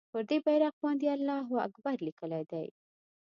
پر دې بېرغ باندې الله اکبر لیکلی دی.